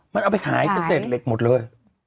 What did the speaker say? มันเอาไปขายก็เสร็จเหล็กหมดเลย